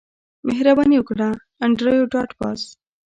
مهرباني وکړه انډریو ډاټ باس